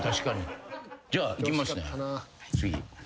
じゃあいきますね次。